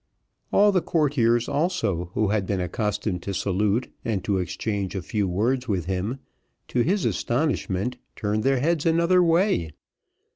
All the courtiers also, who had been accustomed to salute, and to exchange a few words with him, to his astonishment turned their heads another way.